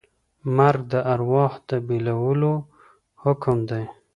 مرګ د ارواح د بېلولو حکم دی.